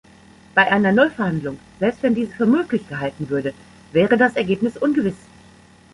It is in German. Bei einer Neuverhandlung, selbst wenn diese für möglich gehalten würde, wäre das Ergebnis ungewiss.